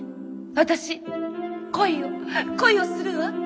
私恋を恋をするわ。